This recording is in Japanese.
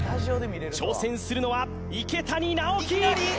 挑戦するのは池谷直樹